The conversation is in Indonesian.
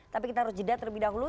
tapi kita harus jeda terlebih dahulu